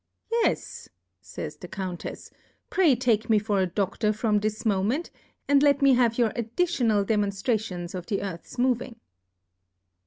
Yes, fays the Cormtefs^ pray take me for a Do£tor from this Moment, and let me have your additional Demonftrations of the Earth's moving.